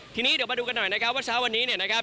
ทีนี้เดี๋ยวมาดูกันหน่อยนะครับว่าเช้าวันนี้เนี่ยนะครับ